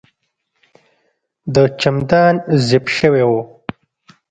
د چمدان زپ شوی و.